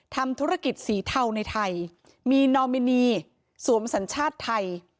ทำธุรกิจสีเทาในไทยมีนอมินีสวมสัญชาติไทย